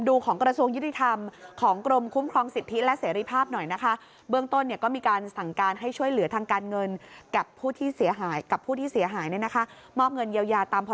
ดูของการสูงยฤทธรรม